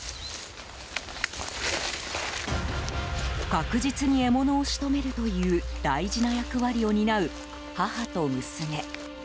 確実に獲物を仕留めるという大事な役割を担う母と娘。